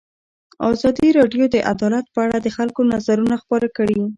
ازادي راډیو د عدالت په اړه د خلکو نظرونه خپاره کړي.